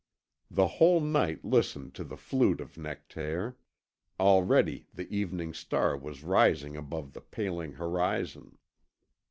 The whole night listened to the flute of Nectaire. Already the evening star was rising above the paling horizon.